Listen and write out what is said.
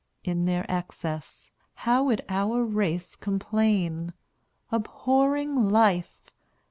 In their excess, how would our race complain, Abhorring life!